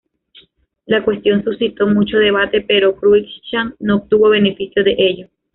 La cuestión suscitó mucho debate, pero Cruikshank no obtuvo beneficio de ello.